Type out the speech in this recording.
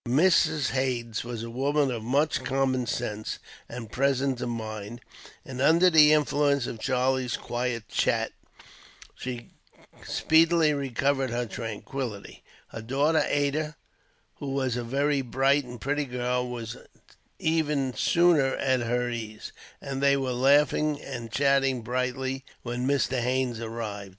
Mrs. Haines was a woman of much common sense and presence of mind; and, under the influence of Charlie's quiet chat, she speedily recovered her tranquillity. Her daughter Ada, who was a very bright and pretty girl, was even sooner at her ease, and they were laughing and chatting brightly, when Mr. Haines arrived.